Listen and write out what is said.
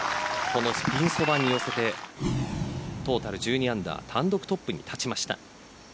このピンそばに寄せてトータル１２アンダー単独トップに立ちました。